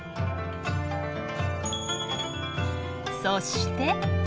そして。